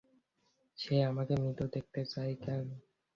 সে আমাকে মৃত দেখতে চায়, কেন?